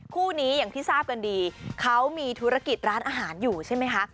คู่นี้อย่างที่ทราบกันดีเขามีธุรกิจร้านอาหารอยู่ใช่ไหมคะ